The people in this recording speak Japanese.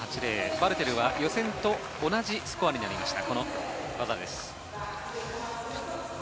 バルテルは予選と同じスコアになりました。